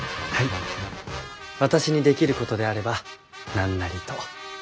私にできることであれば何なりと。